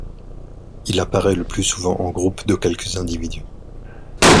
Il apparaît le plus souvent en groupe de quelques individus.